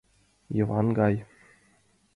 Йыван гай...